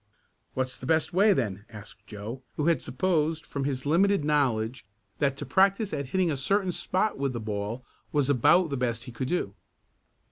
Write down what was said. "What's the best way then?" asked Joe, who had supposed from his limited knowledge that to practice at hitting a certain spot with the ball was about the best he could do.